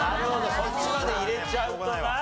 そっちまで入れちゃうとな。